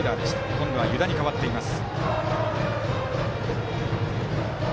今度は湯田に代わっています。